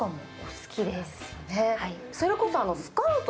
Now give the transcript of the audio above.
好きです。